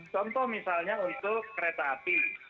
contoh misalnya untuk kereta api